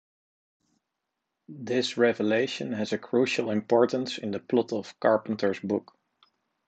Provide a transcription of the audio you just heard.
This revelation has a crucial importance in the plot of Carpenter's book.